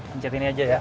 pencetin ini aja ya